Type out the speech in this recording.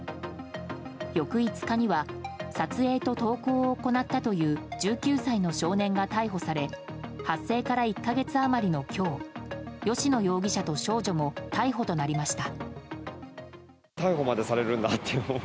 翌５日には撮影と投稿を行ったという１９歳の少年が逮捕され発生から１か月余りの今日吉野容疑者と少女も逮捕となりました。